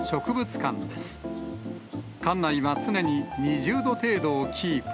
館内は常に２０度程度をキープ。